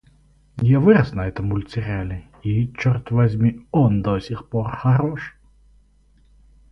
Я вырос на этом мультсериале и, чёрт возьми, он до сих пор хорош!